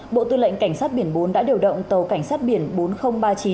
bộ tư lệnh cảnh sát biển bốn đã điều động tàu cảnh sát biển bốn nghìn ba mươi chín